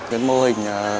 cái mô hình